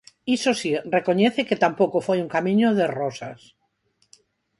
Iso si, recoñece que tampouco foi un camiño de rosas.